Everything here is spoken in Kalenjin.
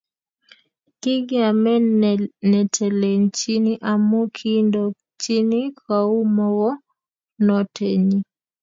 Kikiame netelechini amu kiindochin kou mogornotenyi